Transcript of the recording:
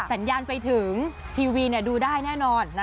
สัญญาณไปถึงทีวีดูได้แน่นอน